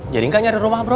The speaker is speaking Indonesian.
jadi gak nyari rumah bro